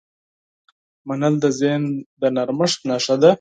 منل د ذهن د نرمښت نښه ده.